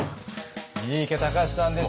三池崇史さんです。